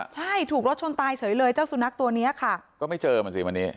ใช่ถูกรถชนตายเฉยเลยเจ้าสุนัขตัวเนี้ยค่ะก็ไม่เจอมันสิวันนี้